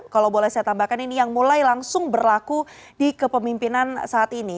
kalau boleh saya tambahkan ini yang mulai langsung berlaku di kepemimpinan saat ini